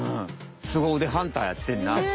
すごうでハンターやってんな。